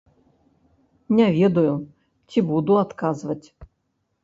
Не ведаю, ці буду адказваць.